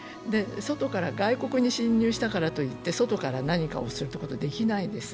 外から外国に侵入したからとって外国から何かをすることはできないです。